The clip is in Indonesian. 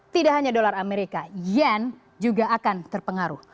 tidak hanya dolar amerika yen juga akan terpengaruh